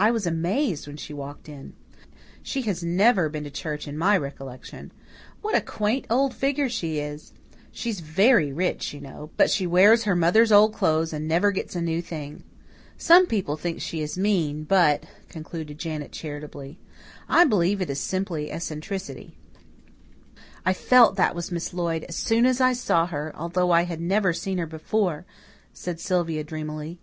"I was amazed when she walked in. She has never been to church in my recollection. What a quaint old figure she is! She's very rich, you know, but she wears her mother's old clothes and never gets a new thing. Some people think she is mean; but," concluded Janet charitably, "I believe it is simply eccentricity." "I felt that was Miss Lloyd as soon as I saw her, although I had never seen her before," said Sylvia dreamily.